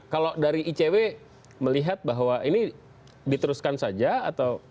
kalau dari icw melihat bahwa ini diteruskan saja atau